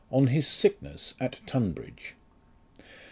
ON HIS SICKNESS AT TTJNBEIDGE.